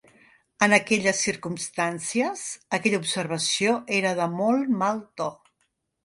En aquelles circumstàncies, aquella observació era de molt mal to.